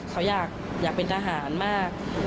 เขาอยากเป็นทหารมาก